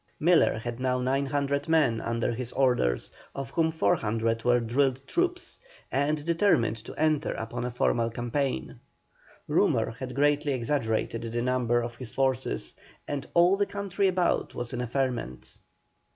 Miller had now 900 men under his orders, of whom 400 were drilled troops, and determined to enter upon a formal campaign. Rumour had greatly exaggerated the number of his forces, and all the country about was in a ferment.